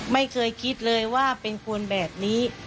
ไม่เคยคิดเลยว่าเป็นคนแบบนี้